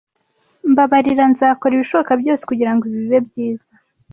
Mbabarira. Nzakora ibishoboka byose kugirango ibi bibe byiza.